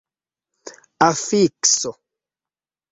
afikso